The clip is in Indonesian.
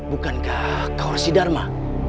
bukankah kau rizky dharma